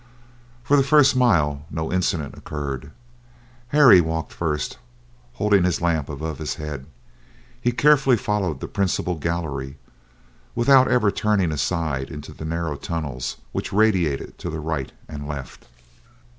For the first mile no incident occurred. Harry walked first, holding his lamp above his head. He carefully followed the principal gallery, without ever turning aside into the narrow tunnels which radiated to the right and left.